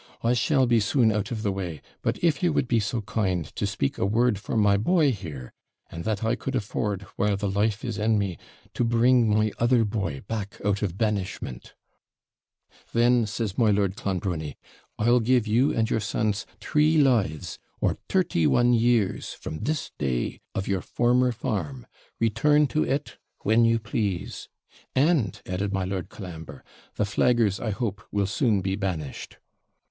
'I shall be soon out of the way; but if you would be so kind to speak a word for my boy here, and that I could afford, while the life is in me, bring my other boy back out of banishment ' 'Then,' says my Lord Clonbrony, 'I'll give you and your sons three lives, or thirty one years, from this day, of your former farm. Return to it when you please.' 'And,' added my Lord Colambre, 'the flaggers, I hope, will be soon banished.'